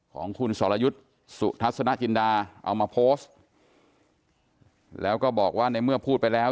ของคุณสรยุทธ์สุทัศนจินดาเอามาโพสต์แล้วก็บอกว่าในเมื่อพูดไปแล้ว